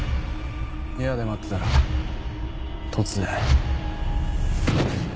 部屋で待ってたら突然。